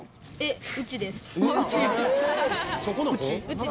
うち？